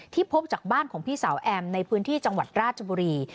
พบจากบ้านของพี่สาวแอมในพื้นที่จังหวัดราชบุรี